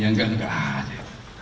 yang nggak nggak aja